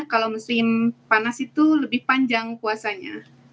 kalau musim panas itu lebih panjang puasanya